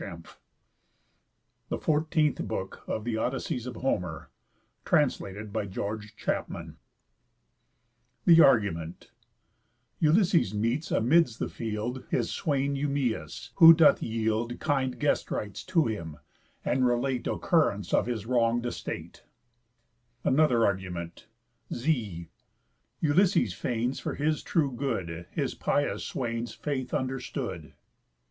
_ THE FOURTEENTH BOOK OF HOMER'S ODYSSEYS THE ARGUMENT Ulysses meets amids the field His swain Eumæus: who doth yield Kind guest rites to him, and relate Occurrents of his wrong'd estate. ANOTHER ARGUMENT Ξι̑. Ulysses fains For his true good: His pious swain's Faith understood.